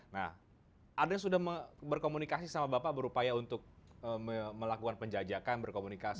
nah ada yang sudah berkomunikasi sama bapak berupaya untuk melakukan penjajakan berkomunikasi